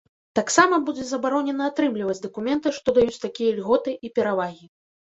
Таксама будзе забаронена атрымліваць дакументы, што даюць такія ільготы і перавагі.